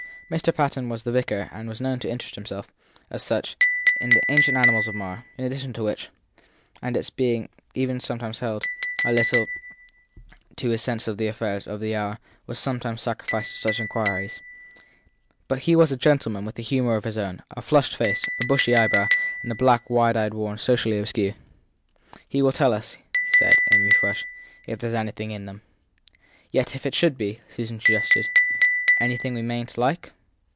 Mr. Patten was the vicar and was known to interest himself, as such, in the ancient annals of Marr; in addition to which and to its being even held a little that his sense of the affairs of the hour was sometimes sacrificed to such inquiries he was a gentleman with a humour of his own, a flushed face, a bushy eyebrow, and a black wide awake worn sociably askew. He will tell us, said Amy Frush, if there s anything in them. . Yet if it should be/ Susan suggested, anything we mayn t like?